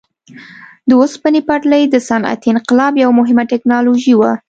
د اوسپنې پټلۍ د صنعتي انقلاب یوه مهمه ټکنالوژي وه.